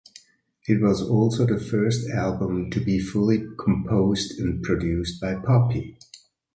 It was also the first album to be fully composed and produced by Poppy.